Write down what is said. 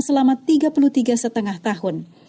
selama tiga puluh tiga setengah tahun